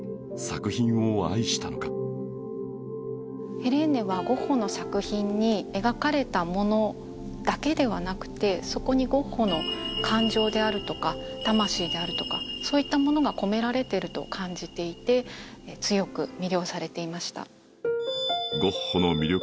ヘレーネはゴッホの作品に描かれたものだけではなくてそこにゴッホの感情であるとか魂であるとかそういったものが込められてると感じていて強く魅了されていました